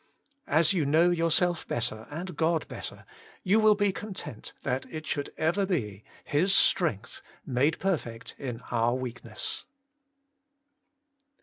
As you know yourself better and God better, you will be content that it should ever be — His strength made perfect in our weakness.